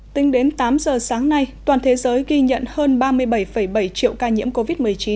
tính đến tám giờ sáng nay toàn thế giới ghi nhận hơn ba mươi bảy bảy triệu ca nhiễm covid một mươi chín